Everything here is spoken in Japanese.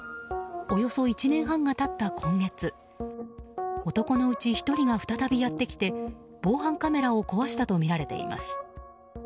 およそ１年半が経った今月男のうち１人が再びやってきて防犯カメラを壊したとみられています。